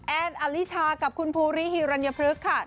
แอนอลิชากับคุณภูริฮิรัญพฤกษ์ค่ะ